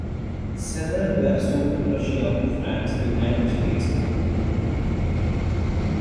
Several were sold to Russia, France, the United States, and Italy.